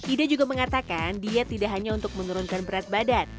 ida juga mengatakan diet tidak hanya untuk menurunkan berat badan